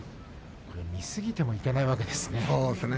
見すぎてもいけないわけですね。